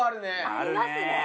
ありますね。